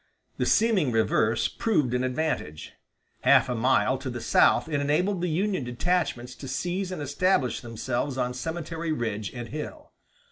The seeming reverse proved an advantage. Half a mile to the south it enabled the Union detachments to seize and establish themselves on Cemetery Ridge and Hill.